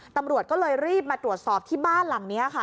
ตำรวจก็เลยรีบมาตรวจสอบที่บ้านหลังนี้ค่ะ